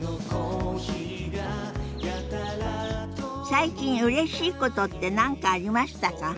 最近うれしいことって何かありましたか？